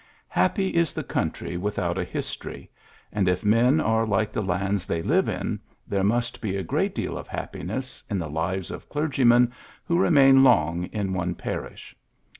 Happy is the country without a history ; and, if men are like the lands they live in, there must be a great deal of happiness in the lives of clergymen who remain long in one parish.